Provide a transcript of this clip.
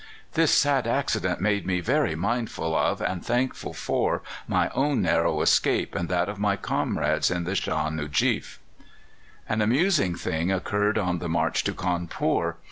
"This sad accident made me very mindful of and thankful for my own narrow escape and that of my comrades in the Shâh Nujeef. "An amusing thing occurred on the march to Cawnpore.